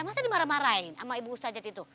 masa dimarah marahin sama ibu ustajat itu